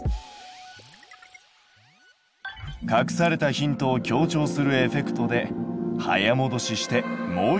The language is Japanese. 隠されたヒントを強調するエフェクトで早もどししてもう一度見てみよう。